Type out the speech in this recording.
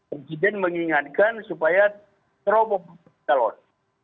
presiden mengingatkan supaya terobok calon